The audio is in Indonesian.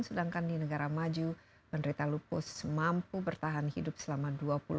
sedangkan di negara maju penderita lupus mampu bertahan hidup selama lima belas hingga lima belas tahun